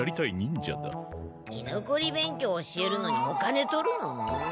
いのこり勉強教えるのにお金取るの？